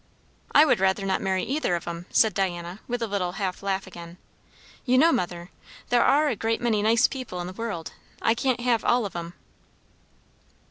"I would rather not marry either of 'em," said Diana, with a little half laugh again. "You know, mother, there are a great many nice people in the world. I can't have all of 'em."